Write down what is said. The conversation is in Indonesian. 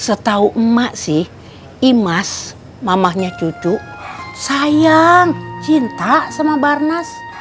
setau emak sih imas mamahnya duduk sayang cinta sama barnas